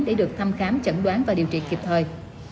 để được thăm khám chẩn đoán và điều trị kịp thời